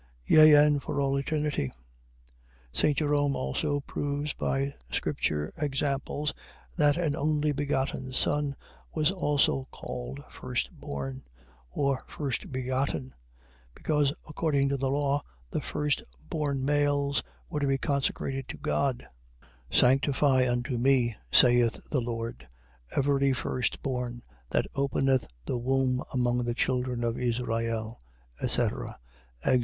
Yea and for all eternity. St. Jerome also proves by Scripture examples, that an only begotten son, was also called firstborn, or first begotten: because according to the law, the firstborn males were to be consecrated to God; Sanctify unto me, saith the Lord, every firstborn that openeth the womb among the children of Israel, etc. Ex.